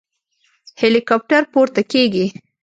هليكاپټر پورته کېږي.